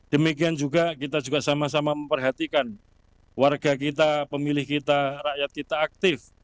demikian juga kita juga sama sama memperhatikan warga kita pemilih kita rakyat kita aktif